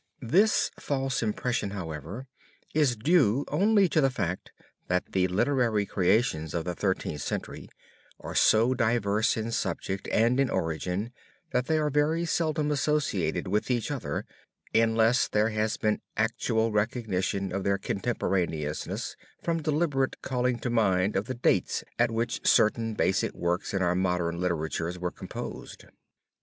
This false impression, however, is due only to the fact that the literary creations of the Thirteenth Century are so diverse in subject and in origin, that they are very seldom associated with each other, unless there has been actual recognition of their contemporaneousness from deliberate calling to mind of the dates at which certain basic works in our modern literatures were composed.